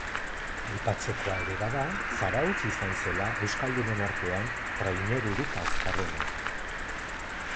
Aipatzekoa ere bada Zarautz izan zela euskaldunen artean trainerurik azkarrena.